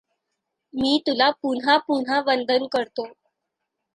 मी तुला पुनःपुन्हा वंदन करतो.